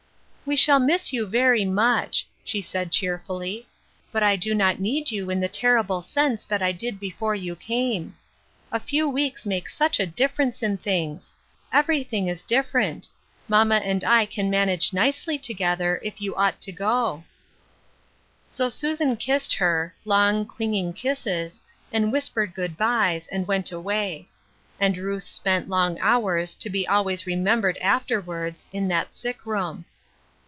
" We shall miss you very much," she said cheer fully, "but I do not need you in the terrible sense that I did before you came. A few weeks make such a difference in things ! Everything is differ ent; mamma and I can manage nicely together, if you ought to go." 274 DAYS OF PRIVILEGE. So Susan kissed her — long, clinging kisses — and whispered good bys, and went away. And Ruth spent long hours, to be always remembered afterwards, in that sick room.